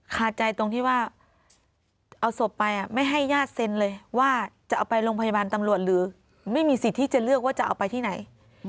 คาใจตรงที่ว่าเอาศพไปไม่ให้ญาติเซ็นเลยว่าจะเอาไปโรงพยาบาลตำรวจหรือไม่มีสิทธิ์ที่จะเลือกว่าจะเอาไปที่ไหน